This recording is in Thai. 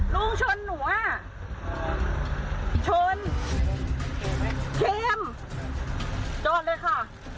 ลุงชนหัวชนเชียมจอดเลยค่ะ